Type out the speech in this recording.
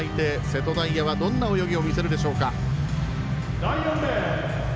瀬戸大也はどんな泳ぎを見せるでしょうか。